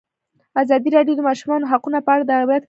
ازادي راډیو د د ماشومانو حقونه په اړه د عبرت کیسې خبر کړي.